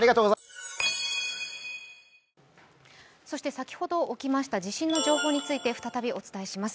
先ほど起きました地震の情報について、再びお伝えします。